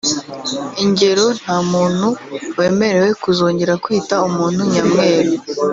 Ingero nta muntu wemerewe kuzongera kwita umuntu nyamweru